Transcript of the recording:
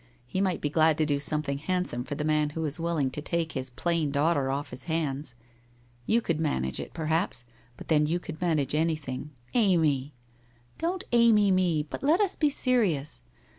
He might be glad to do something handsome for the man who is willing to take his plain daughter off his hands. You could man age it, perhaps, but then you could manage anything — Amy!' ' Don't Amy me, but let us be serious.